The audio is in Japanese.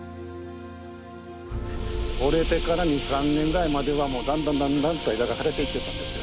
折れてから２３年ぐらいまではもうだんだんだんだんと枝が枯れてきてたんですよ。